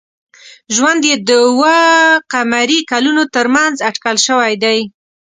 ژوند یې د اوه ق کلونو تر منځ اټکل شوی دی.